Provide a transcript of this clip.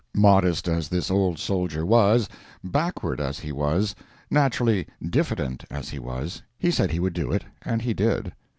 Modest as this old soldier was, backward as he was, naturally diffident as he was, he said he would do it, and he did.